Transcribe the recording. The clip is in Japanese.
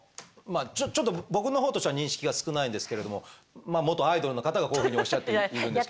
ちょっと僕の方としては認識が少ないんですけれどもまあ元アイドルの方がこういうふうにおっしゃっているんですけど。